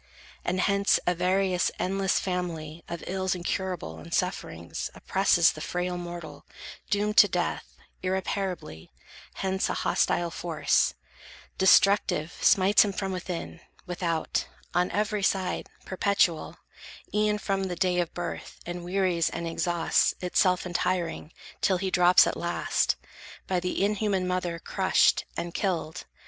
And hence, a various, endless family Of ills incurable and sufferings Oppresses the frail mortal, doomed to death Irreparably; hence a hostile force, Destructive, smites him from within, without, On every side, perpetual, e'en from The day of birth, and wearies and exhausts, Itself untiring, till he drops at last, By the inhuman mother crushed, and killed.